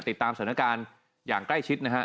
ติดตามสถานการณ์อย่างใกล้ชิดนะฮะ